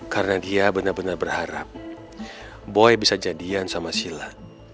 karena dia benar benar berharap boy bisa jadian sama sila